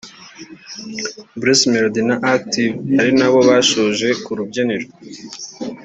Bruce Melody na Active ari nabo bashoje ku rubyiniro